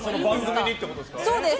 番組にってことですか？